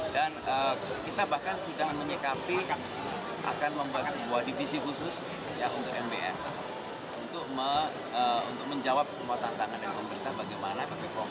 dan kita bahkan sudah menyikapi akan membuat sebuah divisi khusus untuk mbr untuk menjawab semua tantangan yang memberikan bagaimana